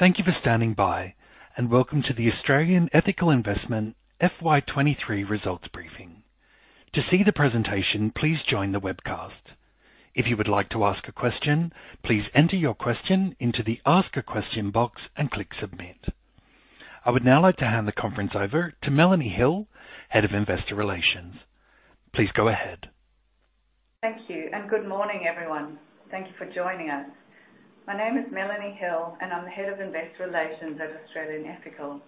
Thank you for standing by, and welcome to the Australian Ethical Investment FY 23 results briefing. To see the presentation, please join the webcast. If you would like to ask a question, please enter your question into the Ask a Question box and click Submit. I would now like to hand the conference over to Melanie Hill, Head of Investor Relations. Please go ahead. Thank you, and good morning, everyone. Thank you for joining us. My name is Melanie Hill, and I'm the Head of Investor Relations at Australian Ethical.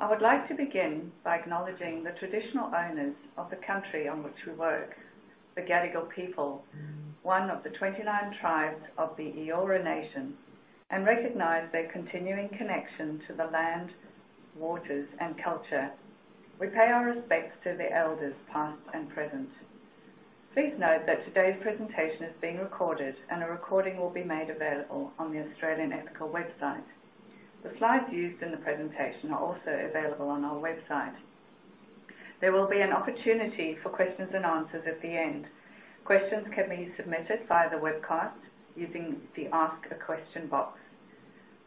I would like to begin by acknowledging the traditional owners of the country on which we work, the Gadigal people, one of the 29 tribes of the Eora Nation, and recognize their continuing connection to the land, waters, and culture. We pay our respects to the elders, past and present. Please note that today's presentation is being recorded, and a recording will be made available on the Australian Ethical website. The slides used in the presentation are also available on our website. There will be an opportunity for questions and answers at the end. Questions can be submitted via the webcast using the Ask a Question box.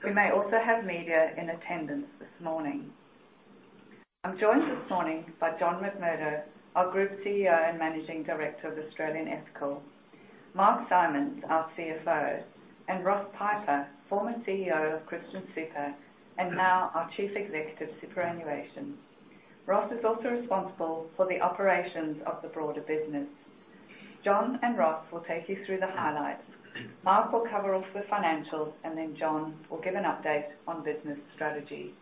We may also have media in attendance this morning. I'm joined this morning by John McMurdo, our Group CEO and Managing Director of Australian Ethical, Mark Simons, our CFO, and Ross Piper, former CEO of Christian Super and now our Chief Executive, Superannuation. Ross is also responsible for the operations of the broader business. John and Ross will take you through the highlights. Mark will cover off the financials, and then John will give an update on business strategy.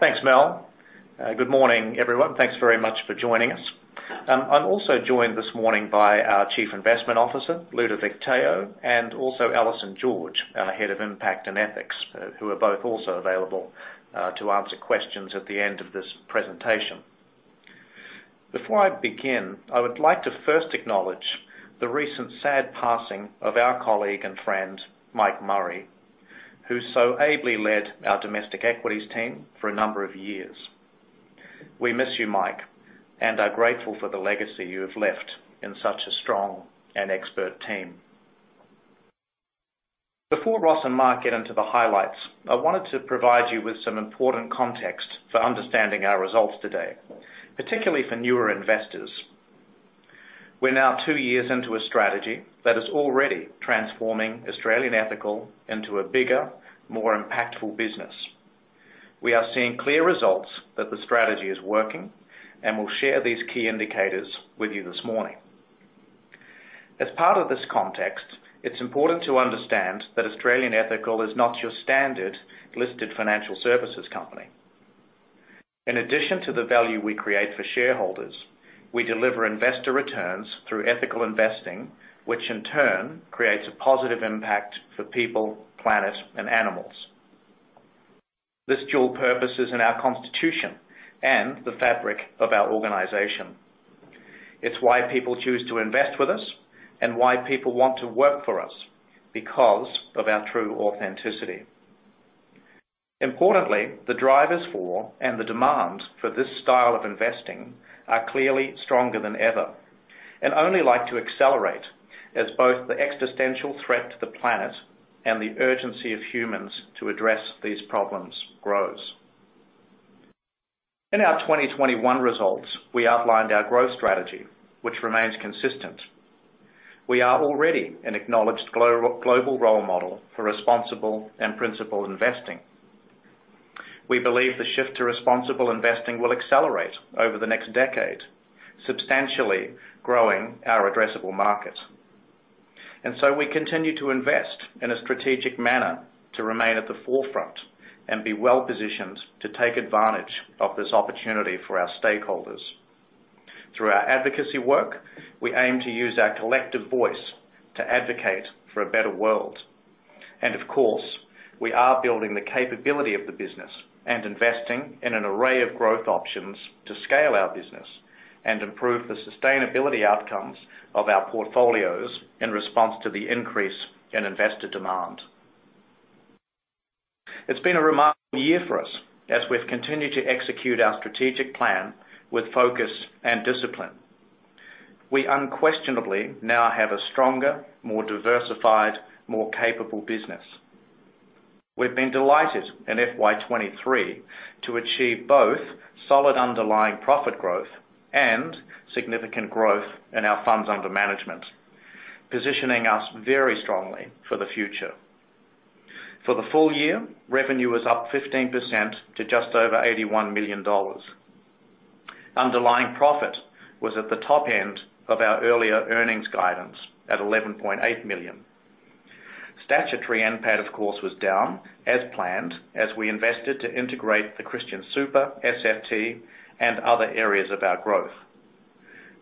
Thanks, Mel. Good morning, everyone. Thanks very much for joining us. I'm also joined this morning by our Chief Investment Officer, Ludovic Theau, and also Alison George, our Head of Impact and Ethics, who are both also available to answer questions at the end of this presentation. Before I begin, I would like to first acknowledge the recent sad passing of our colleague and friend, Mike Murray, who so ably led our domestic equities team for a number of years. We miss you, Mike, and are grateful for the legacy you have left in such a strong and expert team. Before Ross and Mark get into the highlights, I wanted to provide you with some important context for understanding our results today, particularly for newer investors. We're now two years into a strategy that is already transforming Australian Ethical into a bigger, more impactful business. We are seeing clear results that the strategy is working and we'll share these key indicators with you this morning. As part of this context, it's important to understand that Australian Ethical is not your standard listed financial services company. In addition to the value we create for shareholders, we deliver investor returns through ethical investing, which in turn creates a positive impact for people, planet, and animals. This dual purpose is in our constitution and the fabric of our organization. It's why people choose to invest with us and why people want to work for us, because of our true authenticity. Importantly, the drivers for and the demand for this style of investing are clearly stronger than ever and only like to accelerate as both the existential threat to the planet and the urgency of humans to address these problems grows. In our 2021 results, we outlined our growth strategy, which remains consistent. We are already an acknowledged global role model for responsible and principled investing. We believe the shift to responsible investing will accelerate over the next decade, substantially growing our addressable market. And so we continue to invest in a strategic manner to remain at the forefront and be well positioned to take advantage of this opportunity for our stakeholders. Through our advocacy work, we aim to use our collective voice to advocate for a better world. And of course, we are building the capability of the business and investing in an array of growth options to scale our business and improve the sustainability outcomes of our portfolios in response to the increase in investor demand. It's been a remarkable year for us as we've continued to execute our strategic plan with focus and discipline. We unquestionably now have a stronger, more diversified, more capable business. We've been delighted in FY 2023 to achieve both solid underlying profit growth and significant growth in our funds under management, positioning us very strongly for the future. For the full year, revenue was up 15% to just over 81 million dollars. Underlying profit was at the top end of our earlier earnings guidance at 11.8 million. Statutory NPAT, of course, was down as planned, as we invested to integrate the Christian Super, SFT, and other areas of our growth.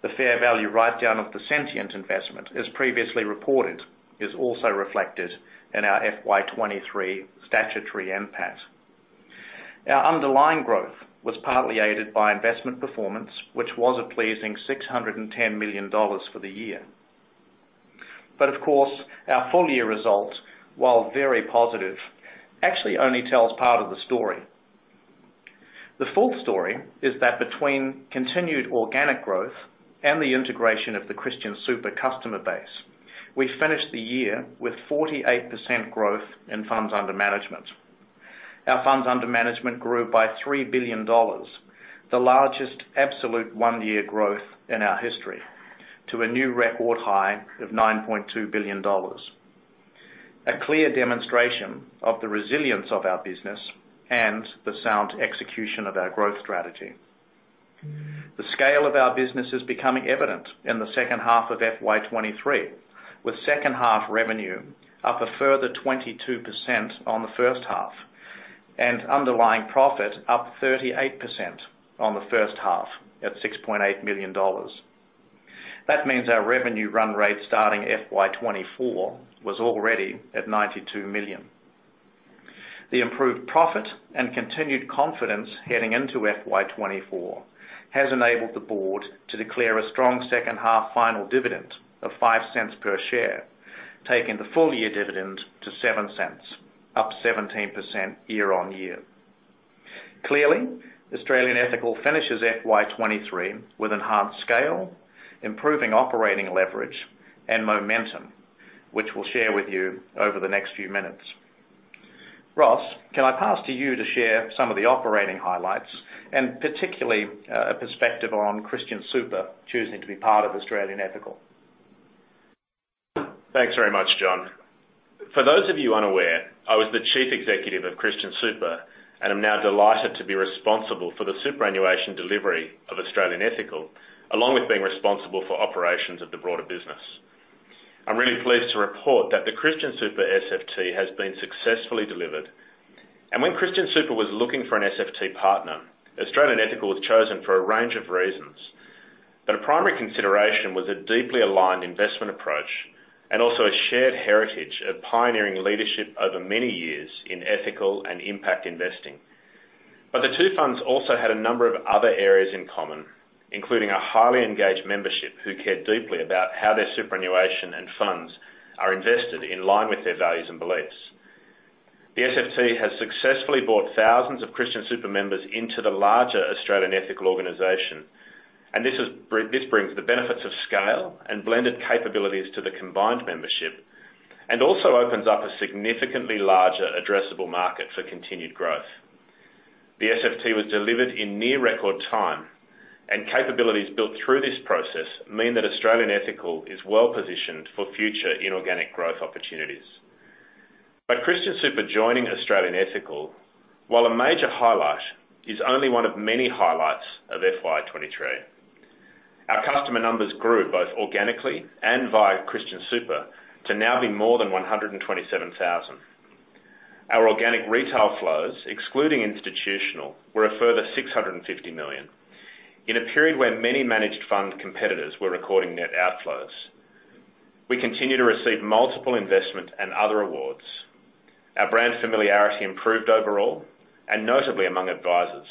The fair value write-down of the Sentient investment, as previously reported, is also reflected in our FY 2023 statutory NPAT. Our underlying growth was partly aided by investment performance, which was a pleasing 610 million dollars for the year. Of course, our full-year results, while very positive, actually only tells part of the story. The fourth story is that between continued organic growth and the integration of the Christian Super customer base, we finished the year with 48% growth in funds under management. Our funds under management grew by 3 billion dollars, the largest absolute one-year growth in our history, to a new record high of 9.2 billion dollars. A clear demonstration of the resilience of our business and the sound execution of our growth strategy. The scale of our business is becoming evident in the second half of FY 2023, with second half revenue up a further 22% on the first half, and underlying profit up 38% on the first half, at 6.8 million dollars. That means our revenue run rate starting FY 2024 was already at 92 million. The improved profit and continued confidence heading into FY 2024 has enabled the board to declare a strong second half final dividend of 0.05 per share, taking the full year dividend to 0.07, up 17% year-on-year. Clearly, Australian Ethical finishes FY 2023 with enhanced scale, improving operating leverage and momentum, which we'll share with you over the next few minutes. Ross, can I pass to you to share some of the operating highlights and particularly, a perspective on Christian Super choosing to be part of Australian Ethical? Thanks very much, John. For those of you unaware, I was the Chief Executive of Christian Super, and I'm now delighted to be responsible for the superannuation delivery of Australian Ethical, along with being responsible for operations of the broader business. I'm really pleased to report that the Christian Super SFT has been successfully delivered, and when Christian Super was looking for an SFT partner, Australian Ethical was chosen for a range of reasons. But a primary consideration was a deeply aligned investment approach and also a shared heritage of pioneering leadership over many years in ethical and impact investing. But the two funds also had a number of other areas in common, including a highly engaged membership, who cared deeply about how their superannuation and funds are invested in line with their values and beliefs. The SFT has successfully brought thousands of Christian Super members into the larger Australian Ethical organization, and this brings the benefits of scale and blended capabilities to the combined membership, and also opens up a significantly larger addressable market for continued growth. The SFT was delivered in near record time, and capabilities built through this process mean that Australian Ethical is well positioned for future inorganic growth opportunities. But Christian Super joining Australian Ethical, while a major highlight, is only one of many highlights of FY 2023. Our customer numbers grew both organically and via Christian Super, to now be more than 127,000. Our organic retail flows, excluding institutional, were a further 650 million. In a period where many managed fund competitors were recording net outflows, we continued to receive multiple investment and other awards. Our brand familiarity improved overall, and notably among advisors,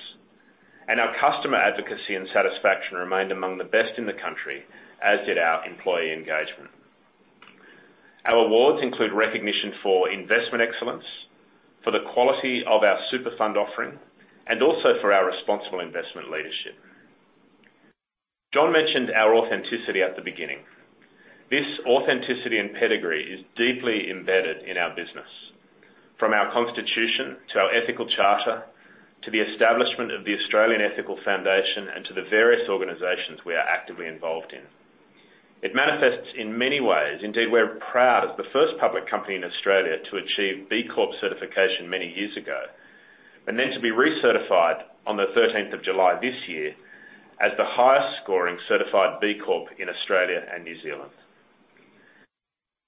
and our customer advocacy and satisfaction remained among the best in the country, as did our employee engagement. Our awards include recognition for investment excellence, for the quality of our super fund offering, and also for our responsible investment leadership. John mentioned our authenticity at the beginning. This authenticity and pedigree is deeply embedded in our business, from our constitution to our Ethical Charter, to the establishment of the Australian Ethical Foundation, and to the various organizations we are actively involved in. It manifests in many ways. Indeed, we're proud as the first public company in Australia to achieve B Corp certification many years ago, and then to be recertified on the thirteenth of July this year as the highest scoring certified B Corp in Australia and New Zealand.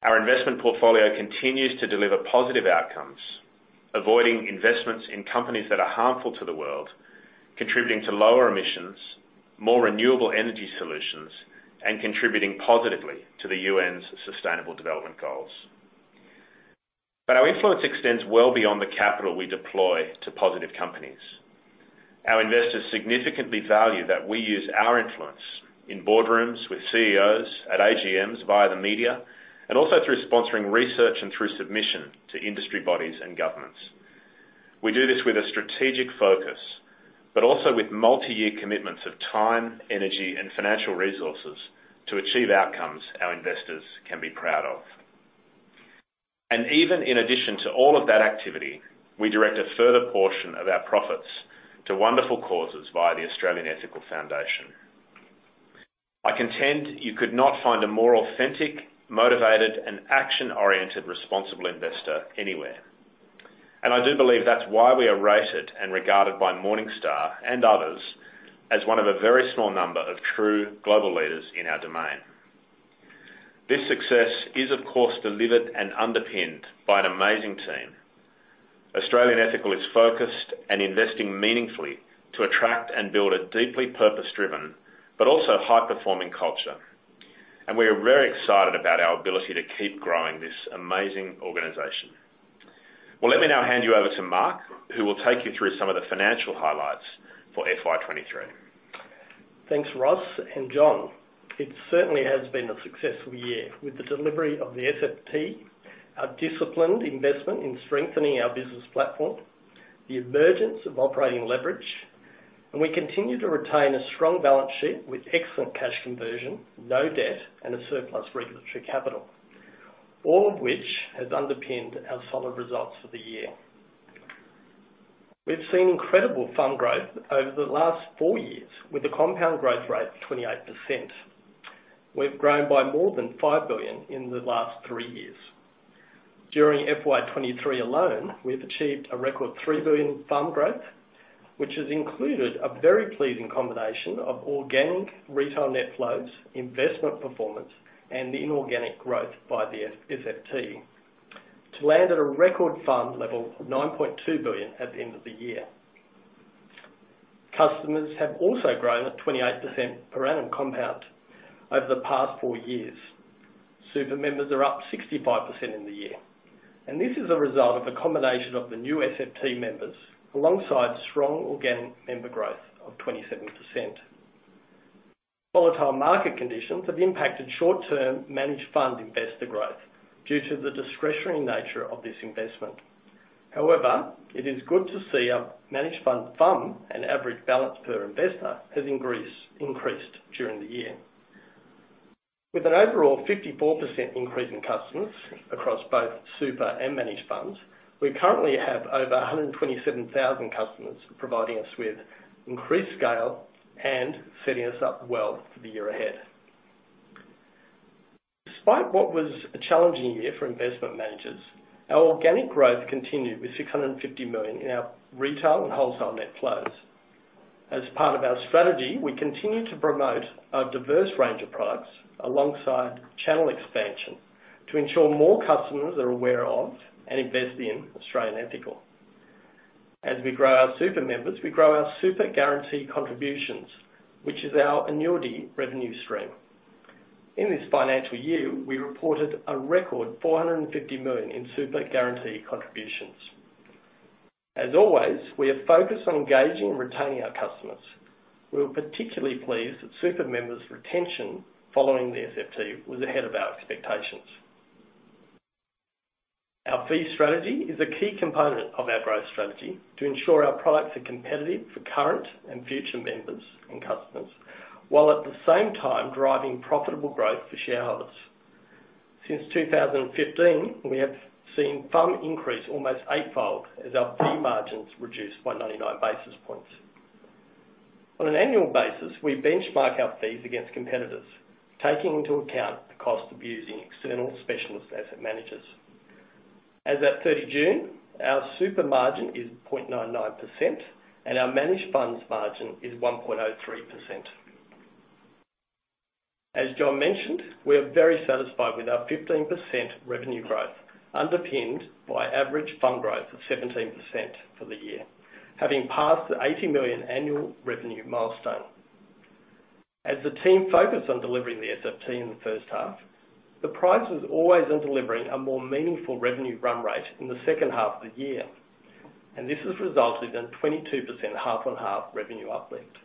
Our investment portfolio continues to deliver positive outcomes, avoiding investments in companies that are harmful to the world, contributing to lower emissions, more renewable energy solutions, and contributing positively to the U.N.'s Sustainable Development Goals. But our influence extends well beyond the capital we deploy to positive companies. Our investors significantly value that we use our influence in boardrooms, with CEOs, at AGMs, via the media, and also through sponsoring research, and through submission to industry bodies and governments. We do this with a strategic focus, but also with multi-year commitments of time, energy, and financial resources to achieve outcomes our investors can be proud of. And even in addition to all of that activity, we direct a further portion of our profits to wonderful causes via the Australian Ethical Foundation. I contend you could not find a more authentic, motivated, and action-oriented, responsible investor anywhere, and I do believe that's why we are rated and regarded by Morningstar and others as one of a very small number of true global leaders in our domain. This success is, of course, delivered and underpinned by an amazing team. Australian Ethical is focused and investing meaningfully to attract and build a deeply purpose-driven but also high-performing culture, and we are very excited about our ability to keep growing this amazing organization. Well, let me now hand you over to Mark, who will take you through some of the financial highlights for FY 23.... Thanks, Ross and John. It certainly has been a successful year with the delivery of the SFT, our disciplined investment in strengthening our business platform, the emergence of operating leverage, and we continue to retain a strong balance sheet with excellent cash conversion, no debt, and a surplus regulatory capital, all of which has underpinned our solid results for the year. We've seen incredible fund growth over the last 4 years, with a compound growth rate of 28%. We've grown by more than 5 billion in the last 3 years. During FY 2023 alone, we've achieved a record 3 billion fund growth, which has included a very pleasing combination of organic retail net flows, investment performance, and the inorganic growth by the SFT, to land at a record fund level of 9.2 billion at the end of the year. Customers have also grown at 28% per annum compound over the past four years. Super members are up 65% in the year, and this is a result of a combination of the new SFT members, alongside strong organic member growth of 27%. Volatile market conditions have impacted short-term managed fund investor growth due to the discretionary nature of this investment. However, it is good to see our managed fund FUM and average balance per investor has increased during the year. With an overall 54% increase in customers across both super and managed funds, we currently have over 127,000 customers, providing us with increased scale and setting us up well for the year ahead. Despite what was a challenging year for investment managers, our organic growth continued with 650 million in our retail and wholesale net flows. As part of our strategy, we continue to promote our diverse range of products alongside channel expansion, to ensure more customers are aware of and invest in Australian Ethical. As we grow our super members, we grow our super guarantee contributions, which is our annuity revenue stream. In this financial year, we reported a record 450 million in super guarantee contributions. As always, we are focused on engaging and retaining our customers. We were particularly pleased that super members' retention following the SFT was ahead of our expectations. Our fee strategy is a key component of our growth strategy to ensure our products are competitive for current and future members and customers, while at the same time driving profitable growth for shareholders. Since 2015, we have seen FUM increase almost eightfold as our fee margins reduced by 99 basis points. On an annual basis, we benchmark our fees against competitors, taking into account the cost of using external specialist asset managers. As at 30 June, our super margin is 0.99%, and our managed funds margin is 1.03%. As John mentioned, we are very satisfied with our 15% revenue growth, underpinned by average FUM growth of 17% for the year, having passed the 80 million annual revenue milestone. As the team focused on delivering the SFT in the first half, the prize was always on delivering a more meaningful revenue run rate in the second half of the year, and this has resulted in 22% half-on-half revenue uplift.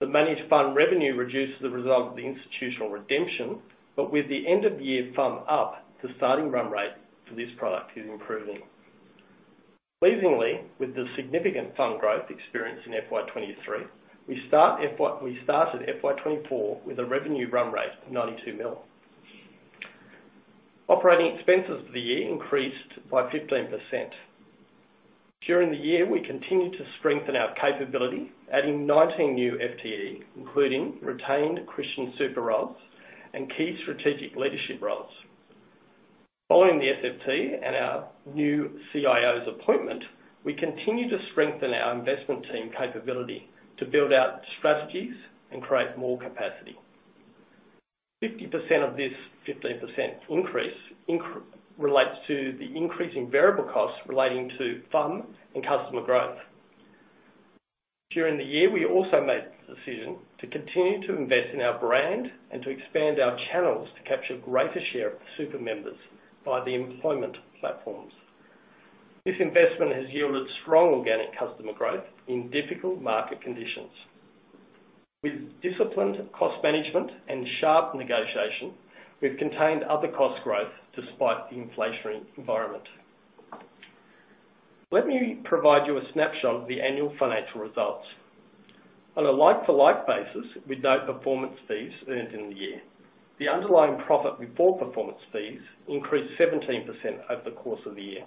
The managed fund revenue reduced as a result of the institutional redemption, but with the end of year FUM up, the starting run rate for this product is improving. Pleasingly, with the significant FUM growth experienced in FY 2023, we started FY 2024 with a revenue run rate of 92 million. Operating expenses for the year increased by 15%. During the year, we continued to strengthen our capability, adding 19 new FTE, including retained Christian Super roles and key strategic leadership roles. Following the SFT and our new CIO's appointment, we continue to strengthen our investment team capability to build out strategies and create more capacity. 50% of this 15% increase relates to the increase in variable costs relating to FUM and customer growth. During the year, we also made the decision to continue to invest in our brand and to expand our channels to capture greater share of super members by the employment platforms. This investment has yielded strong organic customer growth in difficult market conditions. With disciplined cost management and sharp negotiation, we've contained other cost growth despite the inflationary environment. Let me provide you a snapshot of the annual financial results. On a like-to-like basis, with no performance fees earned in the year, the underlying profit before performance fees increased 17% over the course of the year.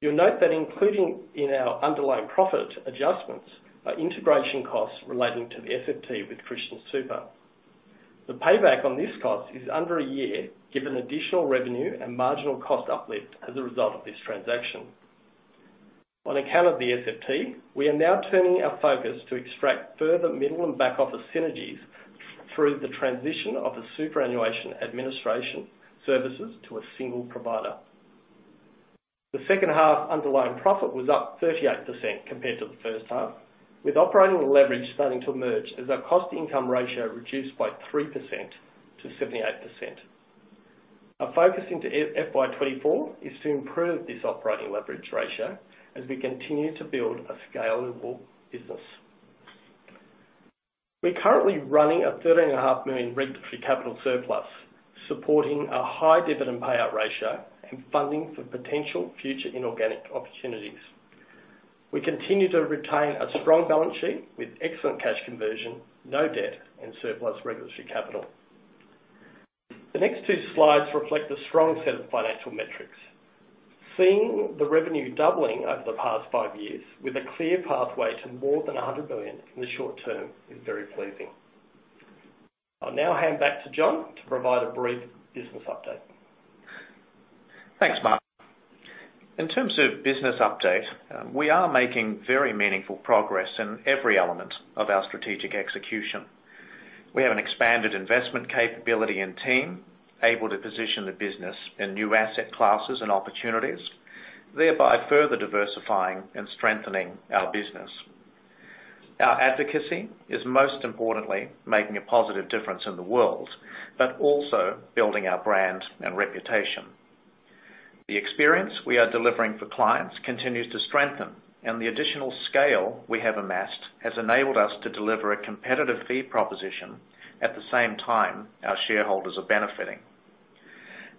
You'll note that including in our underlying profit adjustments are integration costs relating to the SFT with Christian Super. The payback on this cost is under a year, given additional revenue and marginal cost uplift as a result of this transaction. On account of the SFT, we are now turning our focus to extract further middle and back office synergies through the transition of the superannuation administration services to a single provider. The second half underlying profit was up 38% compared to the first half, with operating leverage starting to emerge as our cost-to-income ratio reduced by 3% to 78%.... Our focus into FY 2024 is to improve this operating leverage ratio as we continue to build a scalable business. We're currently running a 13.5 million regulatory capital surplus, supporting a high dividend payout ratio and funding for potential future inorganic opportunities. We continue to retain a strong balance sheet with excellent cash conversion, no debt, and surplus regulatory capital. The next two slides reflect a strong set of financial metrics. Seeing the revenue doubling over the past 5 years with a clear pathway to more than 100 billion in the short term is very pleasing. I'll now hand back to John to provide a brief business update. Thanks, Mark. In terms of business update, we are making very meaningful progress in every element of our strategic execution. We have an expanded investment capability and team, able to position the business in new asset classes and opportunities, thereby further diversifying and strengthening our business. Our advocacy is most importantly making a positive difference in the world, but also building our brand and reputation. The experience we are delivering for clients continues to strengthen, and the additional scale we have amassed has enabled us to deliver a competitive fee proposition. At the same time, our shareholders are benefiting.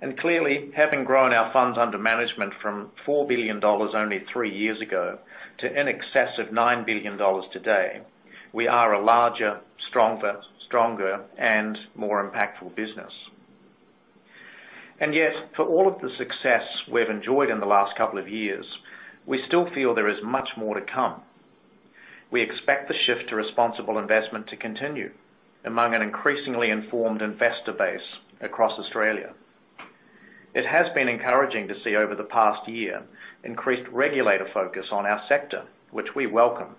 And clearly, having grown our funds under management from 4 billion dollars only three years ago to in excess of 9 billion dollars today, we are a larger, stronger, stronger, and more impactful business. And yet, for all of the success we've enjoyed in the last couple of years, we still feel there is much more to come. We expect the shift to responsible investment to continue among an increasingly informed investor base across Australia. It has been encouraging to see over the past year, increased regulator focus on our sector, which we welcome.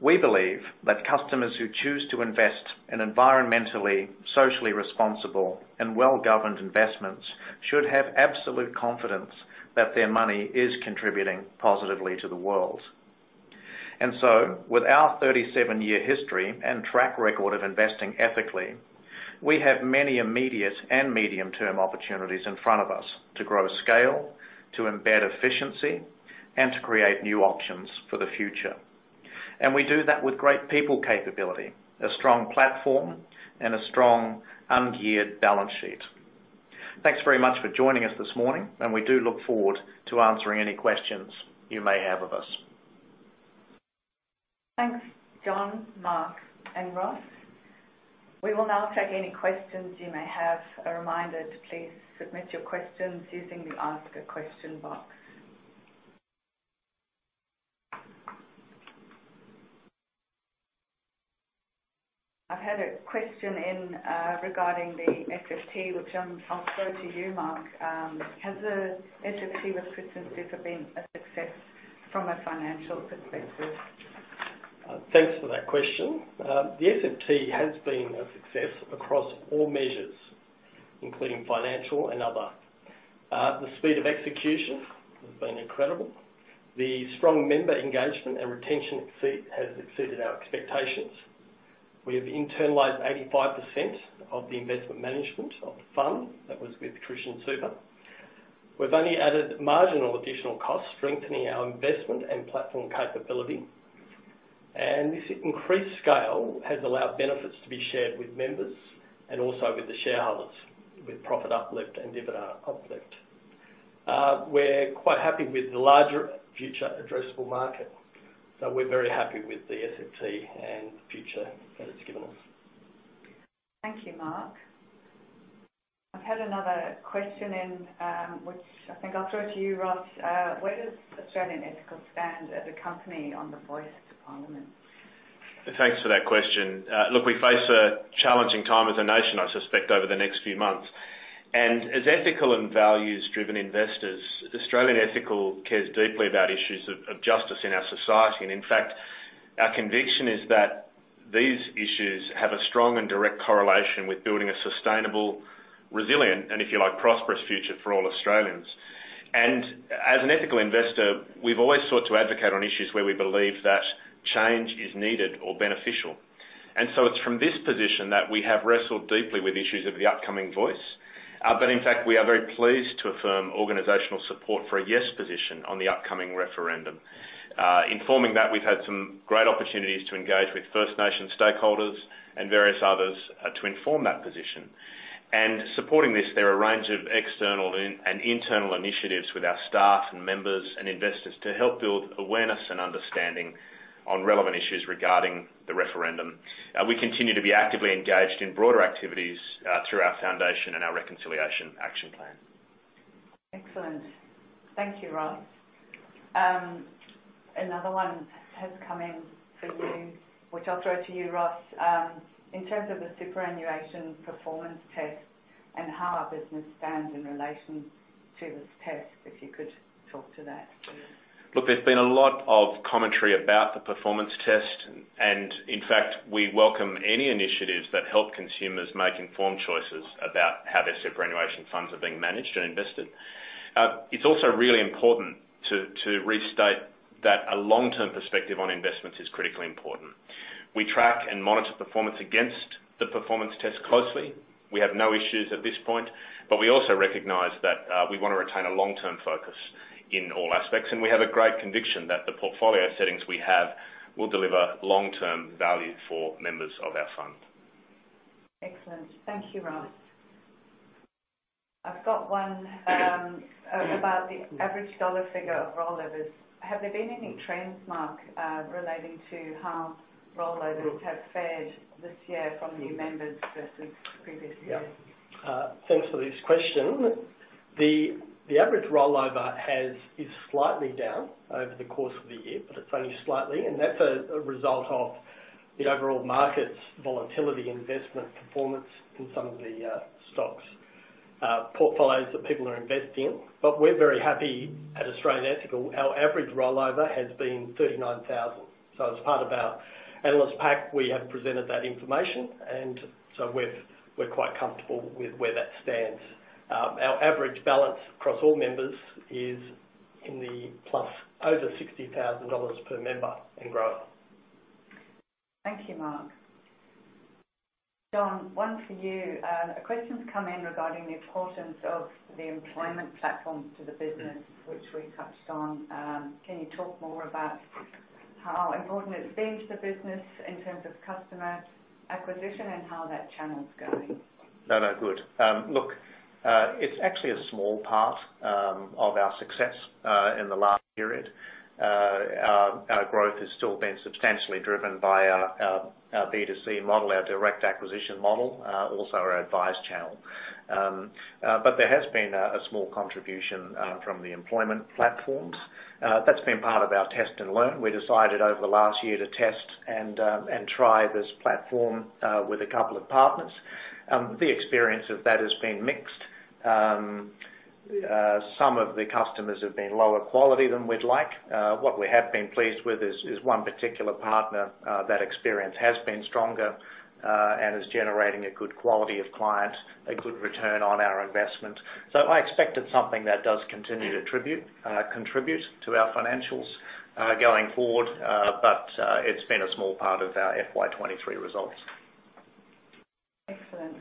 We believe that customers who choose to invest in environmentally, socially responsible, and well-governed investments should have absolute confidence that their money is contributing positively to the world. And so, with our 37-year history and track record of investing ethically, we have many immediate and medium-term opportunities in front of us to grow scale, to embed efficiency, and to create new options for the future. And we do that with great people capability, a strong platform, and a strong ungeared balance sheet. Thanks very much for joining us this morning, and we do look forward to answering any questions you may have of us. Thanks, John, Mark, and Ross. We will now take any questions you may have. A reminder to please submit your questions using the Ask a Question box. I've had a question in regarding the SFT, which I'll throw to you, Mark. Has the SFT with Christian Super been a success from a financial perspective? Thanks for that question. The SFT has been a success across all measures, including financial and other. The speed of execution has been incredible. The strong member engagement and retention rate has exceeded our expectations. We have internalized 85% of the investment management of the fund that was with Christian Super. We've only added marginal additional costs, strengthening our investment and platform capability, and this increased scale has allowed benefits to be shared with members and also with the shareholders, with profit uplift and dividend uplift. We're quite happy with the larger future addressable market, so we're very happy with the SFT and the future that it's given us. Thank you, Mark. I've had another question in, which I think I'll throw to you, Ross. Where does Australian Ethical stand as a company on the Voice to Parliament? Thanks for that question. Look, we face a challenging time as a nation, I suspect, over the next few months. And as ethical and values-driven investors, Australian Ethical cares deeply about issues of, of justice in our society. And in fact, our conviction is that these issues have a strong and direct correlation with building a sustainable, resilient, and if you like, prosperous future for all Australians. And as an ethical investor, we've always sought to advocate on issues where we believe that change is needed or beneficial. And so it's from this position that we have wrestled deeply with issues of the upcoming Voice. But in fact, we are very pleased to affirm organizational support for a Yes position on the upcoming referendum. Informing that we've had some great opportunities to engage with First Nations stakeholders and various others, to inform that position. Supporting this, there are a range of external and internal initiatives with our staff and members and investors to help build awareness and understanding on relevant issues regarding the referendum. We continue to be actively engaged in broader activities through our foundation and our Reconciliation Action Plan. Excellent. Thank you, Ross. Another one has come in for you, which I'll throw to you, Ross. In terms of the superannuation performance test and how our business stands in relation to this test, if you could talk to that, please. Look, there's been a lot of commentary about the performance test, and in fact, we welcome any initiatives that help consumers make informed choices about how their superannuation funds are being managed and invested. It's also really important to restate that a long-term perspective on investments is critically important. We track and monitor performance against the performance test closely. We have no issues at this point, but we also recognize that we wanna retain a long-term focus in all aspects, and we have a great conviction that the portfolio settings we have will deliver long-term value for members of our fund. Excellent. Thank you, Ross. I've got one about the average dollar figure of rollovers. Have there been any trends, Mark, relating to how rollovers have fared this year from new members versus the previous year? Yeah. Thanks for this question. The average rollover is slightly down over the course of the year, but it's only slightly, and that's a result of the overall market's volatility, investment performance in some of the stocks, portfolios that people are investing in. But we're very happy at Australian Ethical, our average rollover has been 39,000. So as part of our analyst pack, we have presented that information, and so we're quite comfortable with where that stands. Our average balance across all members is in the plus over 60,000 dollars per member and growing. Thank you, Mark. John, one for you. A question's come in regarding the importance of the employment platforms to the business, which we touched on. Can you talk more about how important it's been to the business in terms of customer acquisition and how that channel is going? No, no, good. Look, it's actually a small part of our success in the last period. Our growth has still been substantially driven by our B2C model, our direct acquisition model, also our adviser channel. But there has been a small contribution from the employment platforms. That's been part of our test and learn. We decided over the last year to test and try this platform with a couple of partners. The experience of that has been mixed. Some of the customers have been lower quality than we'd like. What we have been pleased with is one particular partner, that experience has been stronger, and is generating a good quality of clients, a good return on our investment. So I expect it's something that does continue to contribute to our financials, going forward, but it's been a small part of our FY 23 results. Excellent.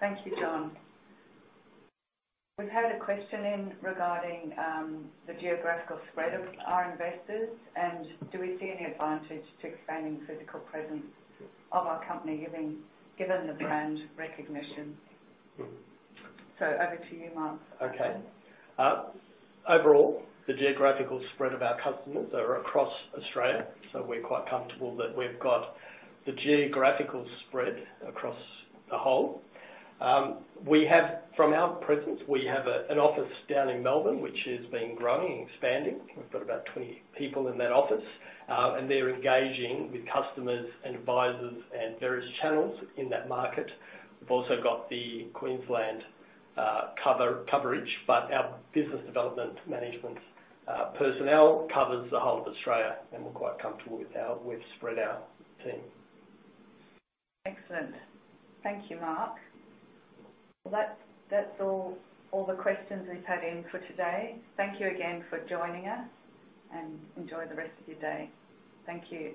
Thank you, John. We've had a question in regarding the geographical spread of our investors, and do we see any advantage to expanding physical presence of our company, given the brand recognition? Over to you, Mark. Okay. Overall, the geographical spread of our customers are across Australia, so we're quite comfortable that we've got the geographical spread across the whole. We have from our presence, we have an office down in Melbourne, which has been growing and expanding. We've got about 20 people in that office, and they're engaging with customers and advisors and various channels in that market. We've also got the Queensland coverage, but our business development management personnel covers the whole of Australia, and we're quite comfortable with how we've spread our team. Excellent. Thank you, Mark. Well, that's all the questions we've had in for today. Thank you again for joining us, and enjoy the rest of your day. Thank you.